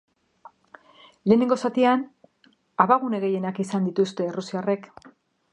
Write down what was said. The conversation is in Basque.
Lehenengo zatian, abagune gehienak izan dituzte errusiarrek.